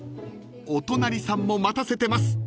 ［お隣さんも待たせてます